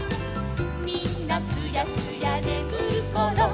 「みんなすやすやねむるころ」